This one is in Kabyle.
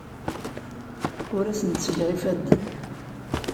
Ur asen-ttgeɣ ifadden.